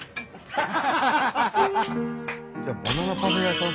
じゃあバナナパフェ屋さん